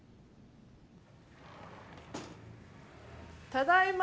ただいま。